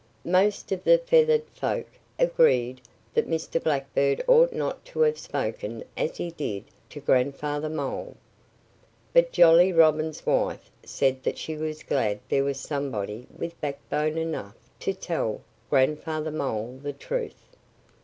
Most of the feathered folk agreed that Mr. Blackbird ought not to have spoken as he did to Grandfather Mole. But Jolly Robin's wife said that she was glad there was somebody with backbone enough to tell Grandfather Mole the truth.